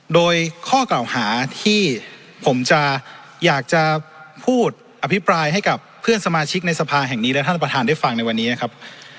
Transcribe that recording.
โดยข้อกล่าวหาที่ผมจะอยากจะพูดอภิปรายให้กับเพื่อนสมาชิกในสภาแห่งนี้และท่านประธานได้ฟังในวันนี้นะครับ